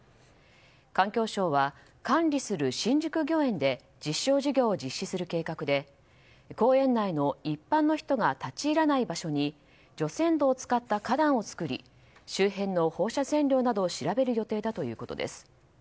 環境省は、管理する新宿御苑で実証事業を実施する計画で公園内の一般の人が立ち入らない場所に除染土を使った花壇を作り周辺の放射線量などを調べる予定だということです。